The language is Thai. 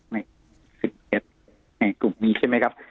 ในกลุ่ม๑๑ใช่ไหมครับ